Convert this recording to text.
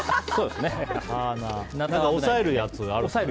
押さえるやつがある。